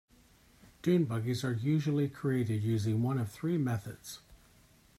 Dune buggies are usually created using one of three methods.